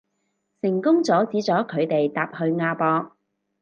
成功阻止咗佢哋搭去亞博